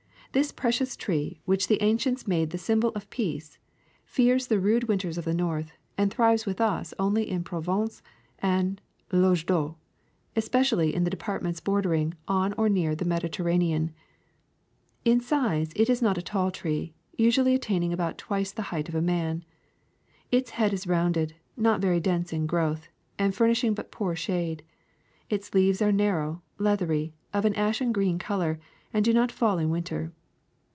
This precious tree, which the ancients made the symbol of peace, fears the rude winters of the North and thrives with us only in Provence and Langue doc, especially in the de partments bordering on or near the Mediterra nean. In size it is not a tall tree, usually attain ing about twice the height of a man. Its head is rounded, not very ^^^.^^ f ^^y^ ^^,.^,''"^ 1, Branch with fruit. 2, Branch with dense in growth, and fur ^°^'"^""'^^°^'" nishing but poor shade ; its leaves are narrow, leath ery, of an ashen green color, and do not fall in win ter.